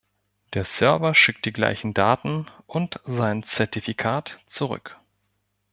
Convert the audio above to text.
Der Server schickt die gleichen Daten und sein Zertifikat zurück.